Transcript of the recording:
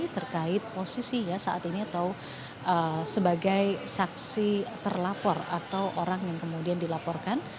terkait posisinya saat ini atau sebagai saksi terlapor atau orang yang kemudian dilaporkan